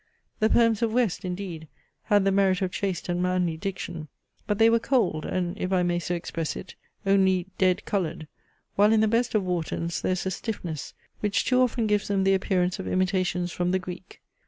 The poems of West, indeed, had the merit of chaste and manly diction; but they were cold, and, if I may so express it, only dead coloured; while in the best of Warton's there is a stiffness, which too often gives them the appearance of imitations from the Greek.